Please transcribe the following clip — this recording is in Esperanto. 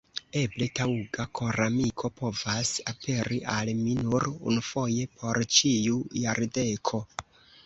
Eble taŭga koramiko povas aperi al mi nur unufoje por ĉiu jardeko.